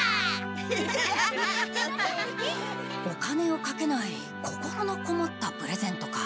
お金をかけない心のこもったプレゼントか。